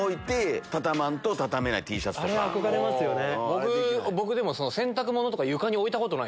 あれ憧れますよね。